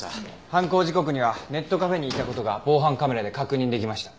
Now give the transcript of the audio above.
犯行時刻にはネットカフェにいた事が防犯カメラで確認できました。